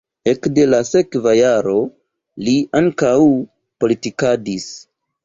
Ekde la sekva jaro li ankaŭ politikadis.